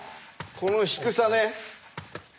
この低さね。